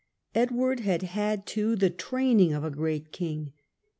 Edward had had, too, the training of a great king.